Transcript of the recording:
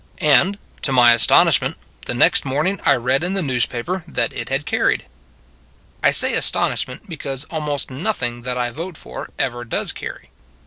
And, to my astonishment, the next morn ing I read in the newspaper that it had carried. I say astonishment, because almost noth ing that I vote for ever does carry.